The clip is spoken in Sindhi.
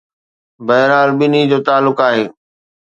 بهرحال، ٻنهي جو تعلق آهي